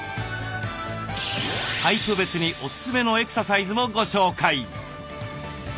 タイプ別にオススメのエクササイズもご紹介。